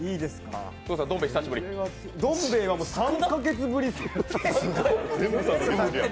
どん兵衛は３か月ぶりですよ。